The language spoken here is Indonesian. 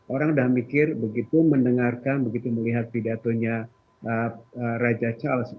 orang sudah mikir begitu mendengarkan begitu melihat pidatonya raja charles